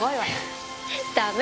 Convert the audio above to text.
ダメ。